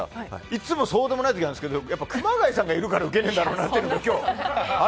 いつも、そうでもない時があるんですけど熊谷さんがいるからウケないんだろうなって